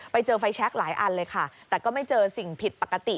ไปเจอไฟแชคหลายอันเลยค่ะแต่ก็ไม่เจอสิ่งผิดปกติ